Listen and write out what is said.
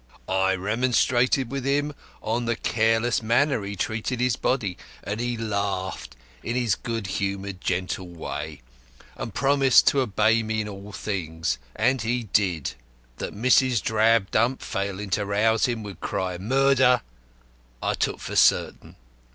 I remonstrated with him on the careless manner he treated his body, and he laughed in his good humoured, gentle way, and promised to obey me in all things. And he did. That Mrs. Drabdump, failing to rouse him, would cry 'Murder!' I took for certain.